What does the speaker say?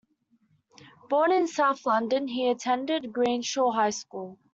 Born in south London, he attended Greenshaw High School.